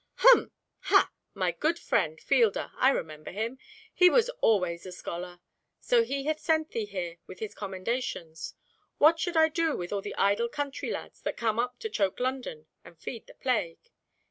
"Hum! Ha! My good friend—Fielder—I remember him. He was always a scholar. So he hath sent thee here with his commendations. What should I do with all the idle country lads that come up to choke London and feed the plague?